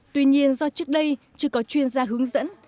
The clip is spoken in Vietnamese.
tuy nhiên do trước đây chưa có chuyên gia hướng dẫn